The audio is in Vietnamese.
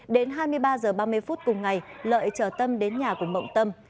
đến hai mươi ba h ba mươi phút cùng ngày lợi chở tâm đến nhà của mộng tâm